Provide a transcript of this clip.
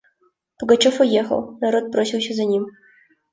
Пугачев уехал; народ бросился за ним.